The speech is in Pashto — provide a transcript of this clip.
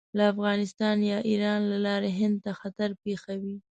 له افغانستان یا ایران له لارې هند ته خطر پېښوي.